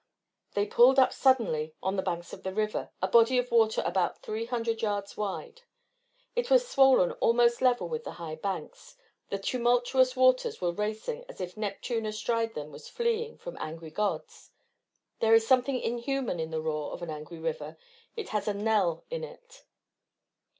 They pulled up suddenly on the banks of the river, a body of water about three hundred yards wide. It was swollen almost level with the high banks. The tumultuous waters were racing as if Neptune astride them was fleeing from angry gods. There is something unhuman in the roar of an angry river: it has a knell in it.